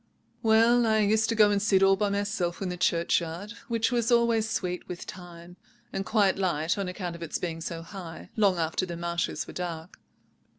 "Well, I used to go and sit all by myself in the churchyard, which was always sweet with thyme, and quite light (on account of its being so high) long after the marshes were dark.